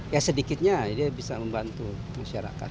ya sedikitnya dia bisa membantu masyarakat